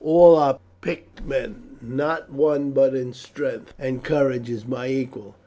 All are picked men, not one but in strength and courage is my equal.